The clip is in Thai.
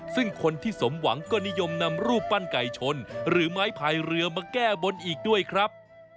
ซึ่งคนที่สมหวังก็นิยมนำรูปปั้นไก่ชนหรือไม้พายเรือมาแก้บนอีกด้วยครับ